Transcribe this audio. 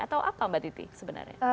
atau apa mbak titi sebenarnya